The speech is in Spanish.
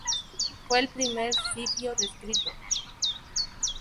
Fue el primer zifio descrito.